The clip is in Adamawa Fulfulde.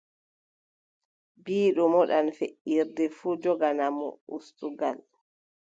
Biiɗo moɗan feʼirde fuu, jogana ɗum uskuwal.